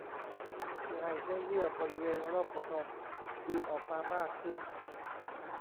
เพื่อให้เนื้อเยื่อบริเวณรอบหัวนมยื่นออกมามากขึ้น